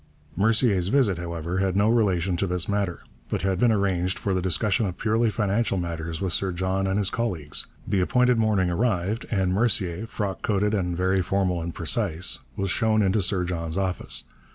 Mercier's visit, however, had no relation to this matter, but had been arranged for the discussion of purely financial matters with Sir John and his colleagues. The appointed morning arrived, and Mercier, frock coated and very formal and precise, was shown into Sir John's office.